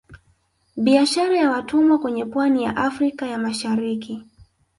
Biashara ya watumwa kwenye pwani ya Afrika ya Mashariki